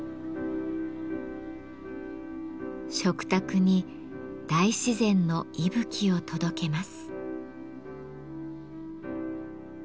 食卓に大自然の息吹を届けます。